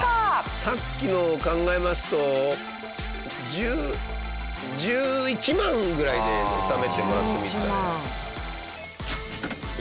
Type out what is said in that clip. さっきのを考えますと１０１１万ぐらいで収めてもらってもいいですかね。